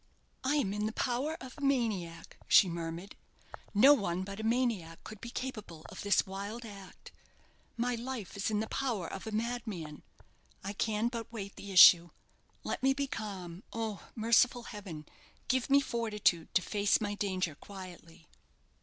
"I am in the power of a maniac," she murmured; "no one but a maniac could be capable of this wild act. My life is in the power of a madman. I can but wait the issue. Let me be calm. Oh, merciful heaven, give me fortitude to face my danger quietly!"